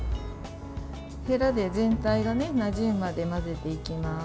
へらで全体がなじむまで混ぜていきます。